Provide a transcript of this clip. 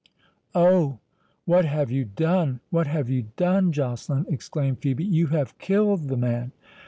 "Oh, what have you done?—what have you done, Joceline!" exclaimed Phœbe; "you have killed the man!"